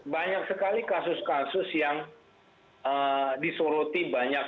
banyak sekali kasus kasus yang disoroti banyak